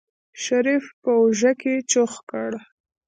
شريف په اوږه کې چوخ کړ.